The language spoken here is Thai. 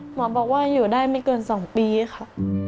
หมอบอกว่าอยู่ได้ไม่เกิน๒ปีค่ะ